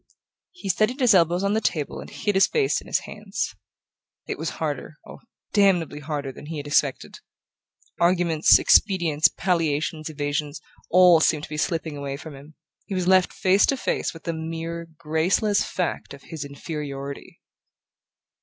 He steadied his elbows on the table and hid his face in his hands. It was harder, oh, damnably harder, than he had expected! Arguments, expedients, palliations, evasions, all seemed to be slipping away from him: he was left face to face with the mere graceless fact of his inferiority.